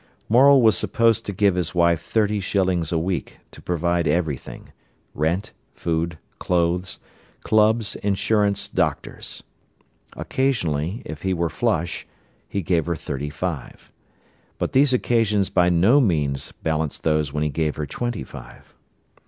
Morel was supposed to give his wife thirty shillings a week, to provide everything—rent, food, clothes, clubs, insurance, doctors. Occasionally, if he were flush, he gave her thirty five. But these occasions by no means balanced those when he gave her twenty five.